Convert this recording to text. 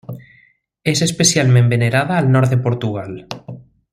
És especialment venerada al nord de Portugal.